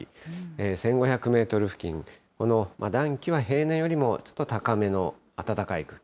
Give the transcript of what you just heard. １５００メートル付近、この暖気は平年よりも、ちょっと高めの暖かい空気。